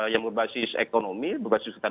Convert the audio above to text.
yang berbasis ekonomi berbasis hutan